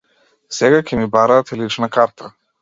Сега ќе ми бараат и лична карта.